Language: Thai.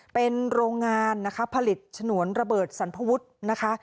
เป็นโรงงานนะคะผลิตฉนวนระเบิดสรรพวุฒินะคะ